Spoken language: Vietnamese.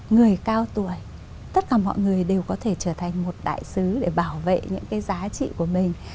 người cao tuổi tất cả mọi người đều có thể trở thành một đại sứ để bảo vệ những cái giá trị của mình